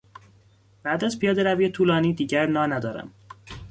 بعد از پیادهروی طولانی دیگر نا ندارم.